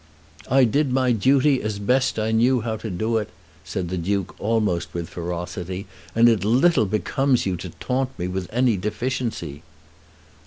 "I did my duty as best I knew how to do it," said the Duke, almost with ferocity, "and it little becomes you to taunt me with any deficiency."